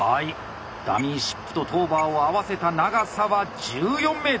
ダミーシップとトーバーを合わせた長さは１４ｍ。